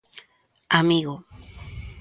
Amigo.